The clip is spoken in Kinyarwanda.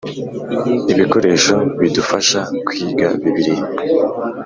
Ibikoresho bidufasha kwiga Bibiliya